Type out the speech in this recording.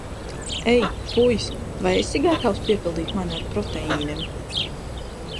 Ei, puis, vai esi gatavs piepildīt mani ar proteīniem?